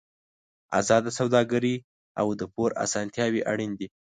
ازاده سوداګري او د پور اسانتیاوې اړین دي.